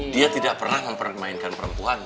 dia tidak pernah mempermainkan perempuan